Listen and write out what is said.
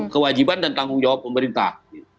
kewajiban dan tanggung jawab pemerintah